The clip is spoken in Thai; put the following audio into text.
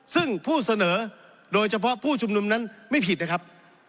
ซึ่งผู้เสนอโดยเฉพาะผู้ชุมนุมนั้นไม่ผิดนะครับ